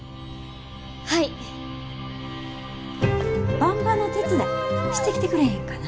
ばんばの手伝いしてきてくれへんかな？